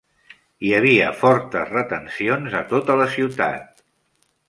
hi havia fortes retencions a tota la ciutat.